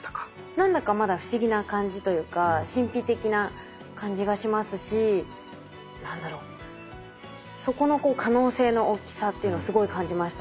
何だかまだ不思議な感じというか神秘的な感じがしますし何だろうそこの可能性の大きさっていうのはすごい感じました。